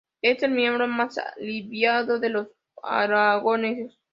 Es el miembro más liviano de los halógenos.